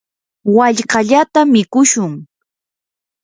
wallkallata mikushun.